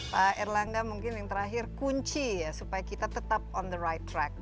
pak erlangga mungkin yang terakhir kunci ya supaya kita tetap on the right track